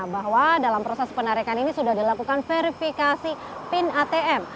bahwa dalam proses penarikan ini sudah dilakukan verifikasi pin atm